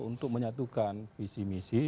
untuk menyatukan visi visi